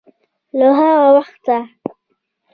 له هغه وخته